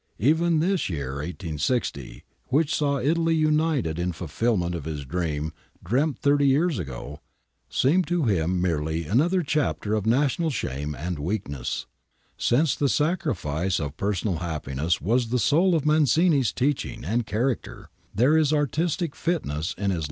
Even this year i860, which saw Italy united in fulfilment of his dream dreamt thirty years ago, seemed to him merely another chapter of national shame and weakness. Since the sacrifice of personal happiness was the soul of Mazzini's teaching and character, there is artistic fitness in his life long ^ E.g. Bandi, 60. Adamoli, 71 73, 78. ^Conv.